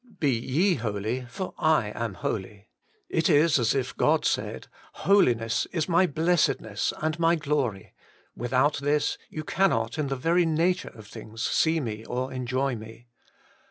' Be ye holy, for I am holy/ It is as if God said, Holiness is my blessedness and my glory : without this you can not, in the very nature of things, see me or enjoy me.